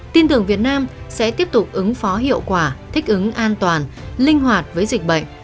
tin tưởng việt nam sẽ tiếp tục ứng phó hiệu quả thích ứng an toàn linh hoạt với dịch bệnh